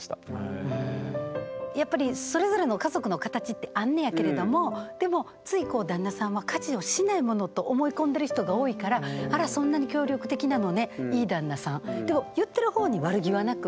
やっぱりそれぞれの家族の形ってあんねんやけれどもでもつい旦那さんは家事をしないものと思い込んでる人が多いからあらでも言ってる方に悪気はなく。